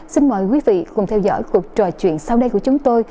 xin mời quý vị cùng theo dõi cuộc trò chuyện sau đây của chúng tôi